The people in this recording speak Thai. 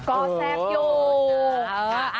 กอแซบโย